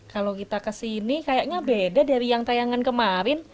kalau kita kesini kayaknya beda dari yang tayangan kemarin